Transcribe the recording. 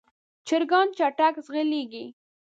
چرګان چټک ځغلېږي.